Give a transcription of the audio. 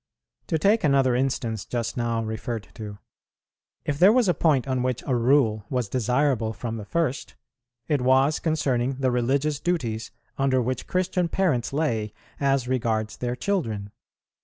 To take another instance just now referred to: if there was a point on which a rule was desirable from the first, it was concerning the religious duties under which Christian parents lay as regards their children.